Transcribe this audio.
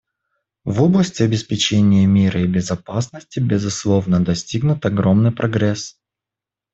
В области обеспечения мира и безопасности, безусловно, достигнут огромный прогресс.